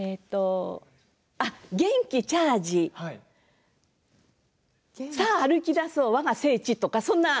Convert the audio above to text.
元気チャージさあ歩きだそうわが聖地みたいな。